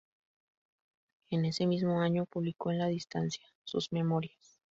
En ese mismo año publicó "En la distancia", sus memorias.